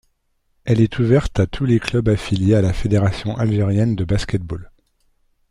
Elle est ouverte à tous les clubs affiliés à la fédération algérienne de basket-ball.